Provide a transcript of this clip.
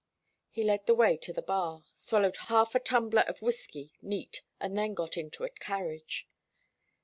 He led the way to the bar, swallowed half a tumbler of whiskey neat, and then got into a carriage.